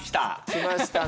きましたね。